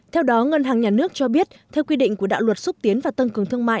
theo đó ngân hàng nhà nước cho biết theo quy định của đạo luật xúc tiến và tân cường thương mại